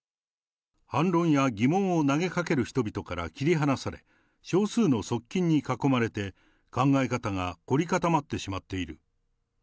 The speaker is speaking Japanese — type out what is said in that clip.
反論や疑問を投げかける人々から切り離され、少数の側近に囲まれて、考え方が凝り固まってしまっている。